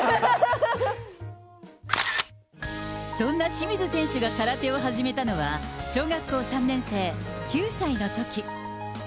そんな清水選手が空手を始めたのは、小学校３年生、９歳のとき。